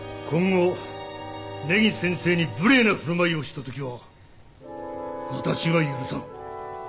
今後根岸先生に無礼な振る舞いをした時は私が許さん。